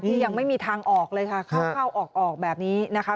นี่ยังไม่มีทางออกเลยค่ะเข้าออกแบบนี้นะคะ